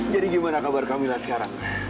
jadi gimana kabar kamilah sekarang